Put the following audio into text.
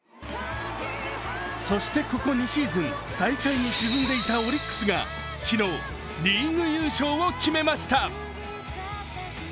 そしてここ２シーズン、最下位に沈んでいたオリックスが昨日、リーグ優勝を決めました。